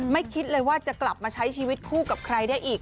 คิดเลยว่าจะกลับมาใช้ชีวิตคู่กับใครได้อีก